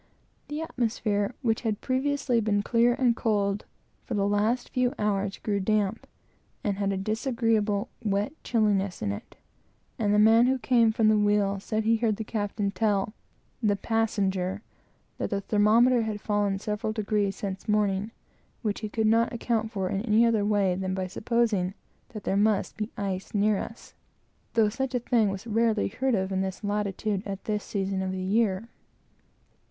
The atmosphere, which had previously been clear and cold, for the last few hours grew damp, and had a disagreeable, wet chilliness in it; and the man who came from the wheel said he heard the captain tell "the passenger" that the thermometer had fallen several degrees since morning, which he could not account for in any other way than by supposing that there must be ice near us; though such a thing had never been heard of in this latitude, at this season of the year.